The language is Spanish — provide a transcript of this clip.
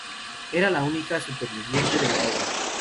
Era la única superviviente de la obra.